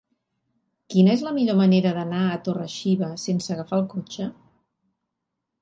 Quina és la millor manera d'anar a Torre-xiva sense agafar el cotxe?